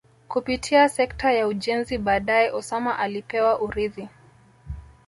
kupitia sekta ya ujenzi baadae Osama alipewa urithi